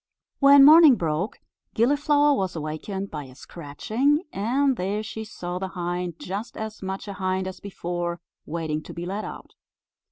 When morning broke, Gilliflower was awakened by a scratching, and there she saw the hind, just as much a hind as before, waiting to be let out.